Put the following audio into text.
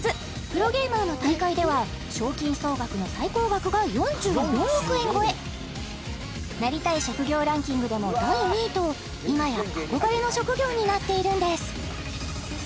プロゲーマーの大会では賞金総額の最高額が４４億円超えなりたい職業ランキングでも第２位と今や憧れの職業になっているんです